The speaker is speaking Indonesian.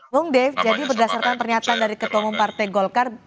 bung dev jadi berdasarkan pernyataan dari ketemu partai golkar